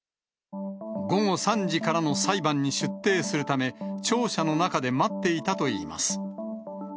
午後３時からの裁判に出廷するため、庁舎の中で待っていたといいます。